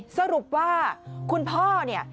สรุปว่าคุณพ่อเนี่ย